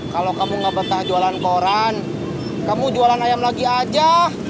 kalau kamu gak betah jualan koran kamu jualan ayam lagi aja